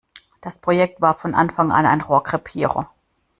Das Projekt war von Anfang an ein Rohrkrepierer.